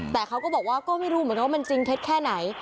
แต่เขาก็บอกว่าก็ไม่รู้เหมือนกันว่ามันจริงเท็จแค่ไหน